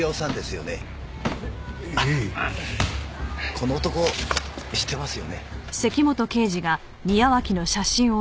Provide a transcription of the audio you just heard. この男知ってますよね？